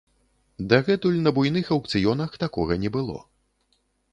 Дагэтуль на буйных аўкцыёнах такога не было.